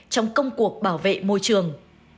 trong cuộc bảo vệ môi trường